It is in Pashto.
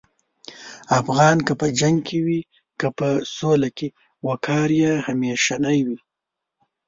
افغان که په جنګ کې وي که په سولې کې، وقار یې همیشنی وي.